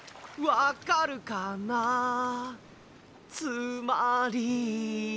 「分かるかなつまり」